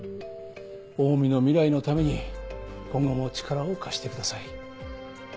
オウミの未来のために今後も力を貸してください。